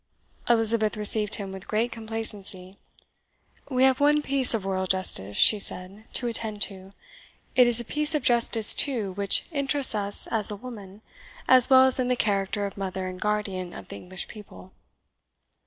Elizabeth received him with great complacency. "We have one piece of royal justice," she said, "to attend to. It is a piece of justice, too, which interests us as a woman, as well as in the character of mother and guardian of the English people."